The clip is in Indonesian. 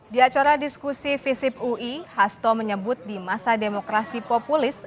di acara diskusi visip ui hasto menyebut di masa demokrasi populis